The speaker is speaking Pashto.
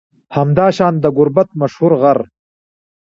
همداشان د گربت مشهور غر